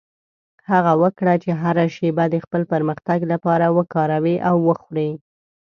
هڅه وکړه چې هره شېبه د خپل پرمختګ لپاره وکاروې او وخورې.